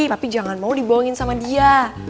tapi jangan mau dibohongin sama dia